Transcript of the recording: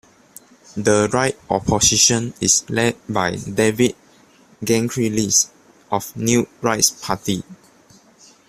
The Right Opposition is led by David Gamkrelidze of New Rights Party.